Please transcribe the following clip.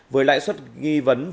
với lãnh xuất ghi vấn đề